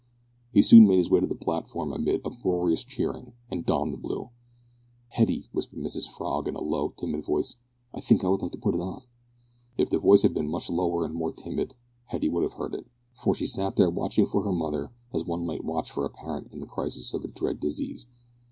He soon made his way to the platform amid uproarious cheering, and donned the blue. "Hetty," whispered Mrs Frog in a low, timid voice, "I think I would like to put it on too." If the voice had been much lower and more timid, Hetty would have heard it, for she sat there watching for her mother as one might watch for a parent in the crisis of a dread disease.